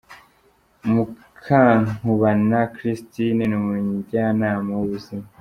Mukankubana Christine, ni umujyanama w’ubuzima.